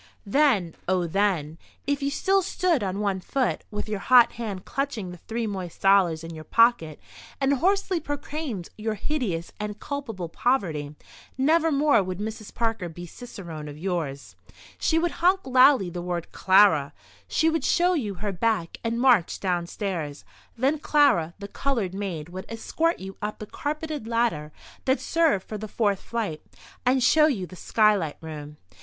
Then—oh, then—if you still stood on one foot, with your hot hand clutching the three moist dollars in your pocket, and hoarsely proclaimed your hideous and culpable poverty, nevermore would Mrs. Parker be cicerone of yours. She would honk loudly the word "Clara," she would show you her back, and march downstairs. Then Clara, the coloured maid, would escort you up the carpeted ladder that served for the fourth flight, and show you the Skylight Room.